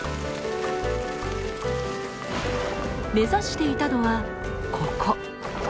目指していたのはここ。